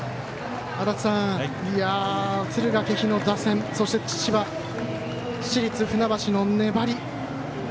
足達さん、敦賀気比の打線そして千葉、市立船橋の粘り。